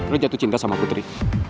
lo jatuh cinta sama putri